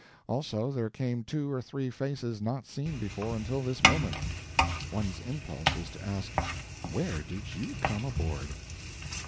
Also there came two or three faces not seen before until this moment. One's impulse is to ask, "Where did you come aboard?"